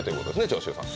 長州さん